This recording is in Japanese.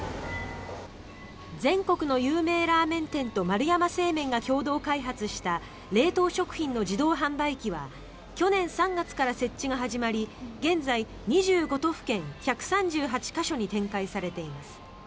全国の有名ラーメン店と丸山製麺が共同開発した冷凍食品の自動販売機は去年３月から設置が始まり現在、２５都府県１３８か所に展開されています。